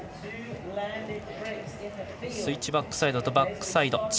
スイッチバックサイドどバックサイド。